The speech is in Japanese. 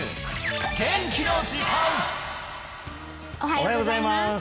おはようございます